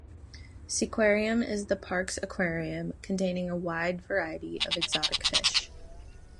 SeaQuarium is the park's aquarium, containing a wide variety of exotic fish.